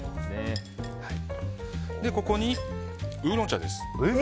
ここにウーロン茶です。